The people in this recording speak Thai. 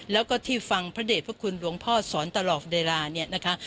แล้วก็ที่ฟังพระเด็จพระคุณหลวงพ่อสอนตลอดเวลาเนี่ยนะคะ